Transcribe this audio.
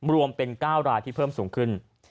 รวมเป็น๙รายที่เพิ่มสูงขึ้น